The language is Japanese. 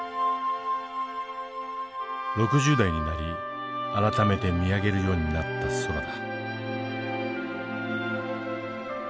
６０代になり改めて見上げるようになった空だ。